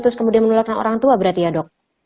terus kemudian menularkan orang tua berarti ya dok